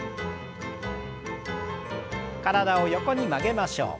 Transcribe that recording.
体を横に曲げましょう。